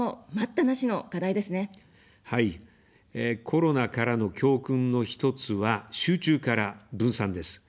コロナからの教訓の一つは、集中から分散です。